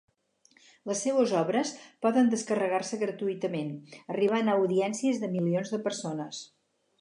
Les seues obres poden descarregar-se gratuïtament, arribant a audiències de milions de persones.